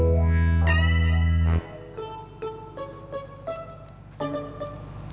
ngapain dikunci kalau kuncinya digantung di sini